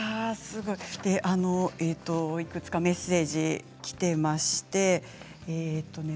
いくつかメッセージ、きています。